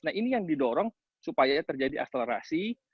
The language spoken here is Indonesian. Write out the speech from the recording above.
nah ini yang didorong supaya terjadi akselerasi